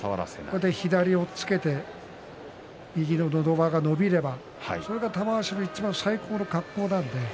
左を押っつけて右ののど輪が伸びればそれが玉鷲のいちばん最高の格好なので